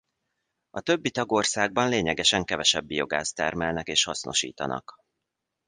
A többi tagországban lényegesen kevesebb biogázt termelnek és hasznosítanak.